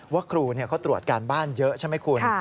ว่าครูเขาตรวจการบ้านเยอะใช่ไหมคุณ